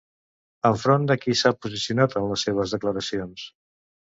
Enfront de qui s'ha posicionat en les seves declaracions?